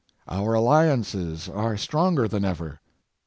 Our alliances are stronger than ever.